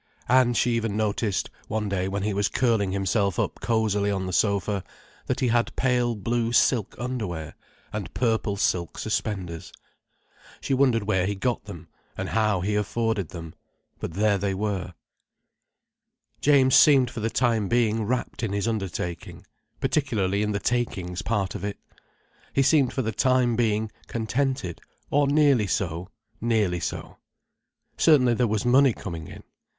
And she even noticed, one day when he was curling himself up cosily on the sofa, that he had pale blue silk underwear, and purple silk suspenders. She wondered where he got them, and how he afforded them. But there they were. James seemed for the time being wrapt in his undertaking—particularly in the takings part of it. He seemed for the time being contented—or nearly so, nearly so. Certainly there was money coming in.